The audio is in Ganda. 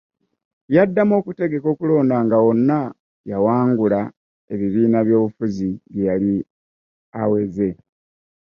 Yaddamu okutegeka okulonda nga wonna y’awangula ebibiina by’obufuzi bye yali aweze.